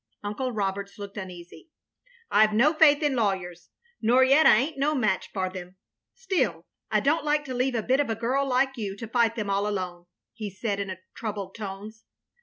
" Uncle Roberts looked uneasy. "I Ve no faith in lawyers; nor yet I ain't no match for them. Still — I don't like to leave a bit of a girl like you, to fight them all alone," he said, in troubled tones.